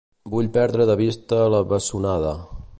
Vull perdre de vista la bessonada.